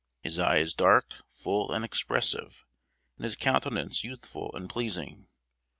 His eye is dark, full and expressive; and his countenance youthful and pleasing.